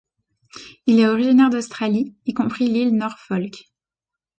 Il est originaire d'Australie, y compris l'île Norfolk.